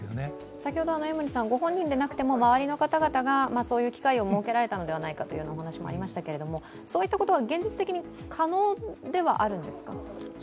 先ほど江森さんはご本人でなくても周りの方々がそういう機会を設けられたのではないかとお話ししされましたが、そういったことは現実的に可能ではあるんですか。